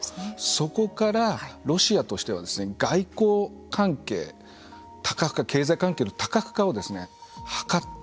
そこからロシアとしては外交関係の多角化経済関係の多角化を図る。